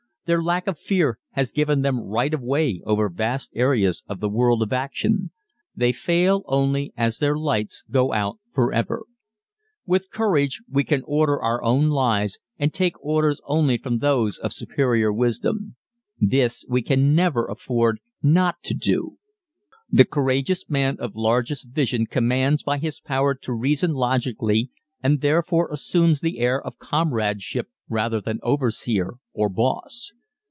Their lack of fear has given them right of way over vast areas of the world of action. They fail only as "their lights go out forever." With courage we order our own lives and take orders only from those of superior wisdom. This we can never afford not to do. The courageous man of largest vision commands by his power to reason logically and therefore assumes the air of comradeship rather than "overseer" or "boss."